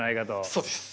そうです。